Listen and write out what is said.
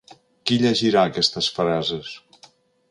Qui llegirà aquestes frases?